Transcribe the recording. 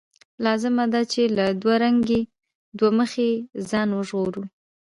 لازمه ده چې له دوه رنګۍ، دوه مخۍ ځان وژغورو.